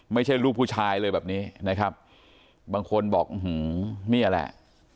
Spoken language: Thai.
ไม่ใช่ลูกผู้ชายเลยแบบนี้นะครับบางคนบอกอื้อหือนี่แหละ